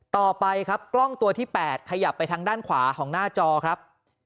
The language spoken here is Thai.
ต่อไปครับกล้องตัวที่๘ขยับไปทางด้านขวาของหน้าจอครับ